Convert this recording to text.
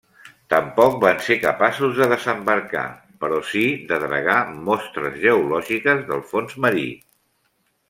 Tampoc van ser capaços de desembarcar, però sí de dragar mostres geològiques del fons marí.